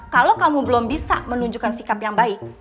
kalau kamu belum bisa menunjukkan sikap yang baik